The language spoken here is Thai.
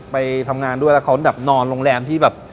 ไปทำงานด้วยแล้วเขาแบบนอนโรงแรมที่แบบ